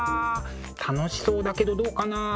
楽しそうだけどどうかなあ？